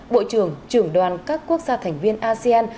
bộ trưởng trưởng đoàn các quốc gia thành viên asean